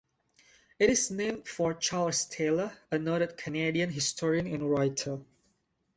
It is named for Charles Taylor, a noted Canadian historian and writer.